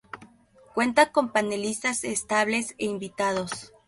Cuenta con panelistas estables e invitados".